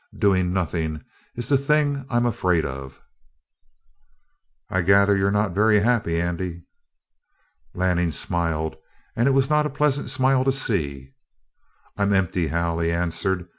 Doing nothing is the thing I'm afraid of." "I gather you're not very happy, Andy?" Lanning smiled, and it was not a pleasant smile to see. "I'm empty, Hal," he answered.